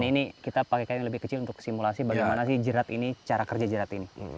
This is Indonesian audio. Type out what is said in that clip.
nah ini kita pakai kain lebih kecil untuk simulasi bagaimana sih jerat ini cara kerja jerat ini